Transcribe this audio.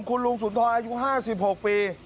คุณลุงสุนทรอายุ๕๖ปี